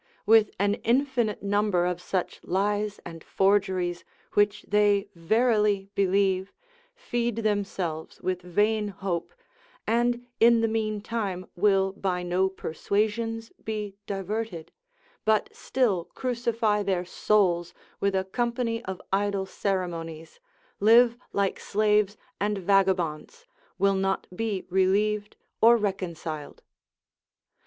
With an infinite number of such lies and forgeries, which they verily believe, feed themselves with vain hope, and in the mean time will by no persuasions be diverted, but still crucify their souls with a company of idle ceremonies, live like slaves and vagabonds, will not be relieved or reconciled.